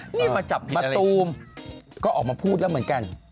นี่มามาจับถึงอะไรก็ออกมาพูดแล้วเหมือนกัน